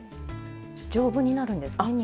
丈夫になるんですね２回。